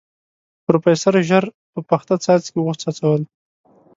پروفيسر ژر په پخته څاڅکي وڅڅول.